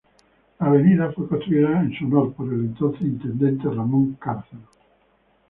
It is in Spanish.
La avenida, fue construida en su honor por el entonces intendente Ramón Cárcano.